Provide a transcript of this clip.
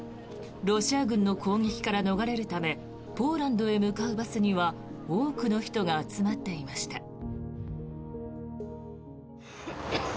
ロシア軍の攻撃から逃れるためポーランドへ向かうバスには多くの人が集まっていました。